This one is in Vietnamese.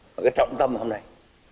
một cái trọng tâm hôm nay